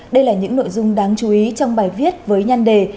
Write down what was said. đây là những nội dung đáng chú ý trong bài viết với nhan đề